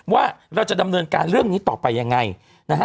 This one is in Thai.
ว่าเราจะดำเนินการเรื่องนี้ต่อไปยังไงนะฮะ